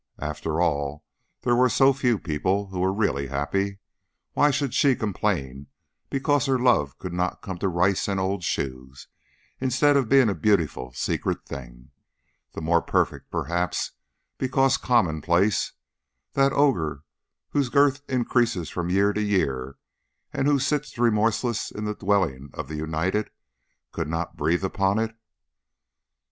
After all, there were so few people who were really happy, why should she complain because her love could not come to rice and old shoes, instead of being a beautiful secret thing, the more perfect, perhaps, because Commonplace, that ogre whose girth increases from year to year, and who sits remorseless in the dwellings of the united, could not breathe upon it?